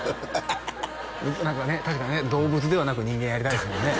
確かにね動物ではなく人間やりたいですもんね